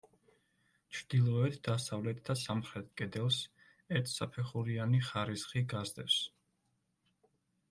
ჩრდილოეთ, დასავლეთ და სამხრეთ კედელს ერთსაფეხურიანი ხარისხი გასდევს.